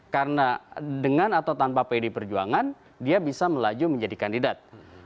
karena dengan atau tanpa pede perjuangan dia bisa melaju menjadi kandidat